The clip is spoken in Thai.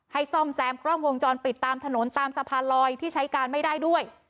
ซ่อมแซมกล้องวงจรปิดตามถนนตามสะพานลอยที่ใช้การไม่ได้ด้วย